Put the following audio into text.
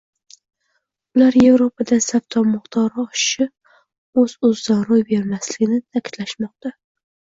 ular Yevropada savdo miqdori oshishi o‘z-o‘zidan ro‘y bermasligini ta’kidlashmoqda.